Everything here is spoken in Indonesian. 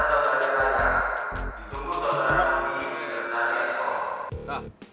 ditunggu selama ini si ketahian pak